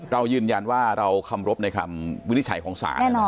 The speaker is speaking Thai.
เรายืนยันว่าเราคำรบในคำวินิจฉัยของศาล